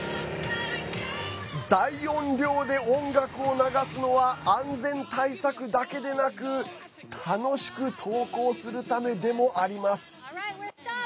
大音量で音楽を流すのは安全対策だけでなく楽しく登校するためでもあります。